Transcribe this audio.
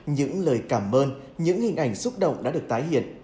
những lời cảm ơn những hình ảnh xúc động đã được tái hiện